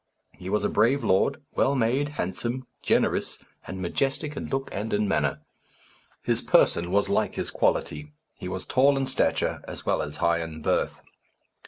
He was a brave lord, well made, handsome, generous, and majestic in look and in manner. His person was like his quality. He was tall in stature as well as high in birth.